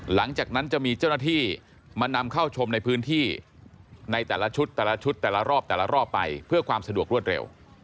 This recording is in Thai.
หลังจากนั้นจะมีเจ้าหน้าที่มานำเข้าชมในพื้นที่ในแต่ละชุดแต่ละชุดแต่ละรอบแต่ละรอบไปเพื่อความสะดวกรวดเร็ว